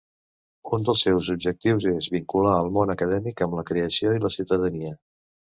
Un dels seus objectius és vincular el món acadèmic amb la creació i la ciutadania.